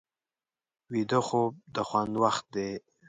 ویده خوب د خوند وخت دی